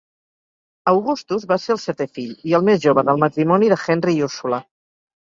Augustus va ser el setè fill, i el més jove, del matrimoni de Henry i Ursula.